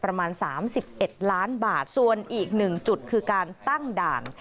ประมาณ๓๑ล้านบาทส่วนอีกหนึ่งจุดคือการตั้งด่าน